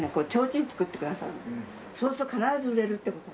そうすると必ず売れるって事で。